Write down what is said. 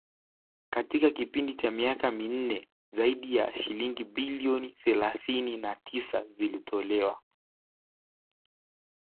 kwa kipindi cha miaka minne zaidi ya shilingi bilioni thelathini na tisa zimetolewa